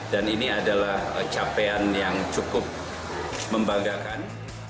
dan ini adalah capaian yang cukup membanggakan